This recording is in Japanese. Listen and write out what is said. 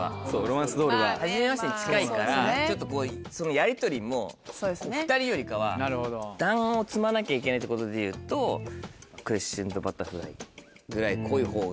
やりとりも２人よりかは段を積まなきゃいけないってことでいうとクレッシェンドバタフライぐらい濃い方が。